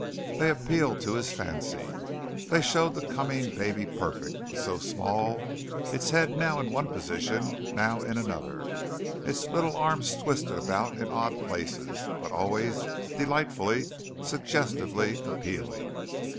They appealed to his fancy. They showed the coming baby perfect, but so small, its head now in one position, now in another, its little arms twisted about in odd places, but always delightfully, suggestively appealing.